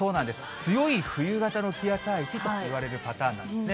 強い冬型の気圧配置といわれるパターンなんですね。